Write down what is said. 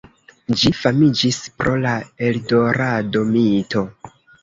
Ĝi famiĝis pro la Eldorado-mito.